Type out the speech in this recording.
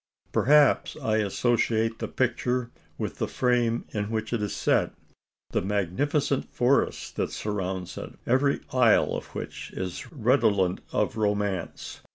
Perhaps I associate the picture with the frame in which it is set the magnificent forest that surrounds it, every aisle of which is redolent of romance.